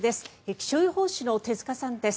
気象予報士の手塚さんです。